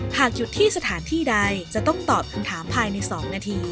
หากหยุดที่สถานที่ใดจะต้องตอบคำถามภายใน๒นาที